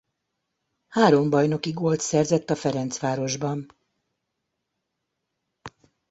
Három bajnoki gólt szerzett a Ferencvárosban.